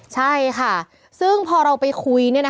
ใช่ค่ะซึ่งพอเราไปคุยเนี่ยนะคะ